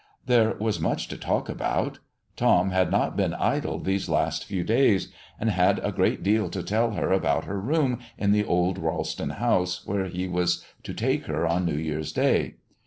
There was much to talk about. Tom had not been idle these last few days, and had a great deal to tell her about her room in the old Ralston house, where he was to take her on New Year's day.